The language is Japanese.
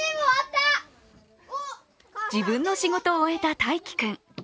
自分の仕事を終えた大喜君。